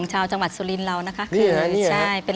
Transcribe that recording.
หายไป๑๐๐๐ครับผม